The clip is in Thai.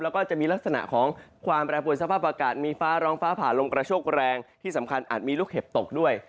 แล้วก็จะมีลักษณะของความแปรปวนสภาพอากาศมีฟ้าร้องฟ้าผ่าลมกระโชคแรงที่สำคัญอาจมีลูกเห็บตกด้วย